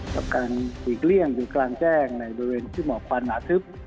กับการหลีกเลี่ยงอยู่กลางแจ้งในบริเวณที่หมอกควันหนาทึบ